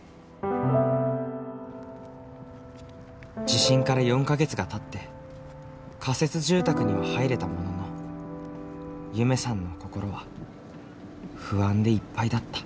地震から４か月がたって仮設住宅には入れたものの夢さんの心は不安でいっぱいだった。